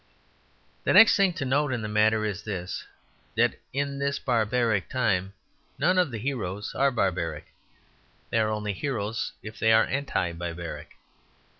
The next thing to note in the matter is this: that in this barbaric time none of the heroes are barbaric. They are only heroes if they are anti barbaric.